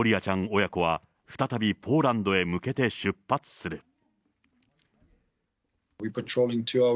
ちゃん親子は再びポーランドへ向けて出発する。